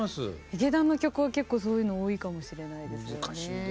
ヒゲダンの曲は結構そういうの多いかもしれないですよね。